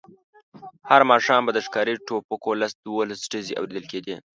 هر ماښام به د ښکاري ټوپکو لس دولس ډزې اورېدل کېدې.